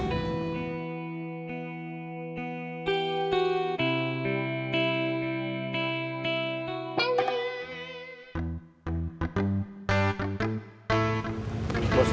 sampai jumpa di video selanjutnya